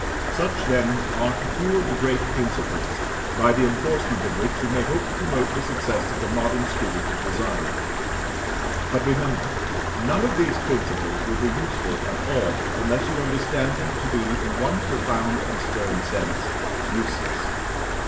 Such, then, are a few of the great principles, by the enforcement of which you may hope to promote the success of the modern student of design; but remember, none of these principles will be useful at all, unless you understand them to be, in one profound and stern sense, useless.